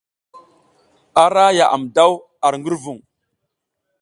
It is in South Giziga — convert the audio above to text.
Ara yaʼam daw ar ngurvung.